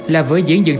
là với diễn dựng